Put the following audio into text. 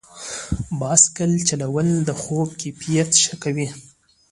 بایسکل چلول د خوب کیفیت ښه کوي.